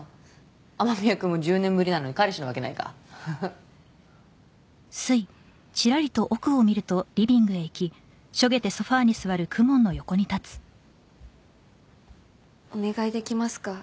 雨宮君も１０年ぶりなのに彼氏のわけないかははっお願いできますか？